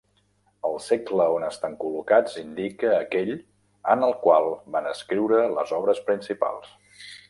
El segle on estan col·locats indica aquell en el qual van escriure les obres principals.